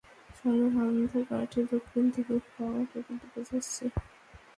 সন্দেহভাজনদের গাড়িটি দক্ষিণ দিকে ফ্লাওয়ার রোডের দিকে যাচ্ছে।